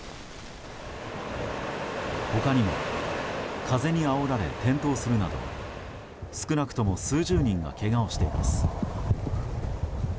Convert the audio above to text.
他にも風にあおられ転倒するなど少なくとも数十人がけがをしています。